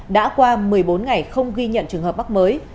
đã qua một mươi bốn ngày không ghi nhận trường hợp mắc mới